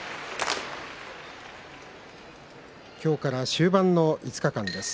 今日から終盤の５日間です。